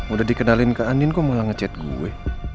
udah dikenalin kak andien kok malah ngechat gue